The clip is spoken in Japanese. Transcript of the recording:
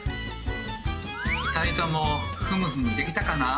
２人ともふむふむできたかな？